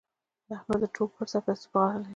احمد د ټول کور سرپرستي پر غاړه لري.